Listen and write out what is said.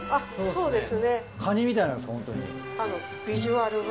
そうです。